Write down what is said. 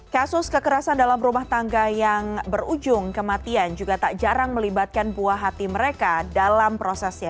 kasus kekerasan dalam rumah tangga yang berujung kematian juga tak jarang melibatkan buah hati mereka dalam prosesnya